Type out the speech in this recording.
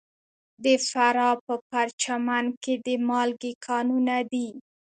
د فراه په پرچمن کې د مالګې کانونه دي.